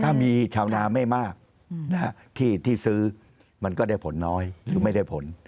ถ้ามีชาวนาไม่มากที่ซื้อมันก็ได้ผลน้อยหรือไม่ได้ผล